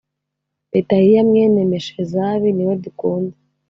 petahiya mwene meshezabi niwe dukunda.